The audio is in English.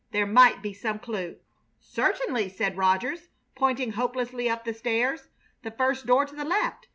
There might be some clue." "Certainly," said Rogers, pointing hopelessly up the stairs; "the first door to the left.